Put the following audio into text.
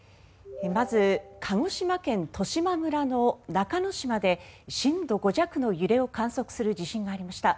まず、鹿児島県十島村の中之島で震度５弱の揺れを観測する地震がありました。